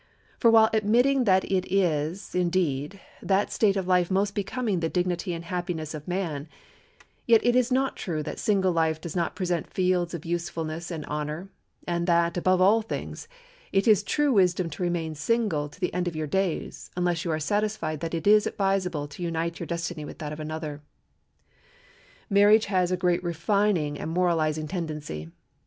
For while admitting that it is, indeed, that state of life most becoming the dignity and happiness of man, yet it is not true that single life does not present fields of usefulness and honor, and that, above all things, it is true wisdom to remain single to the end of your days, unless you are satisfied that it is advisable to unite your destiny with that of another. Marriage has a great refining and moralizing tendency.